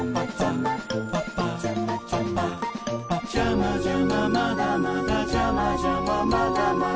「ジャマジャマまだまだジャマジャマまだまだ」